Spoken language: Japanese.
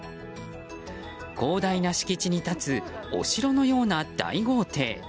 広大な敷地に立つお城のような大豪邸。